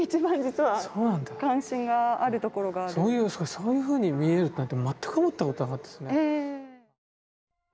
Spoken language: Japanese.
そういうふうに見えるって全く思ったことなかったですね。